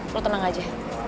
lo tenang aja